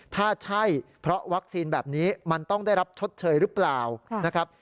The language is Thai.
ถ้าใช่เพราะวัคซีนแบบนี้มันต้องได้รับชดเชยหรือเปล่านะครับ